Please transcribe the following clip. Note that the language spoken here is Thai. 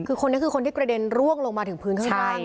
คือคนนี้คือคนที่กระเด็นร่วงลงมาถึงพื้นข้างใน